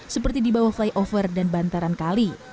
seperti di bawah flyover dan bantaran kali